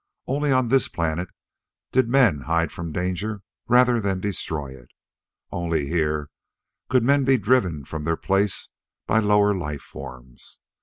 Only on this planet did men hide from danger rather than destroy it. Only here could men be driven from their place by lower life forms.